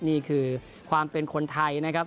นี่คือความเป็นคนไทยนะครับ